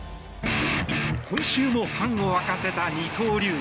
今週もファンを沸かせた二刀流。